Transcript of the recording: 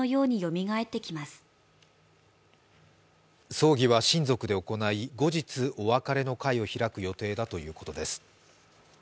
葬儀は親族で行い、後日、お別れの会を開く予定だということです。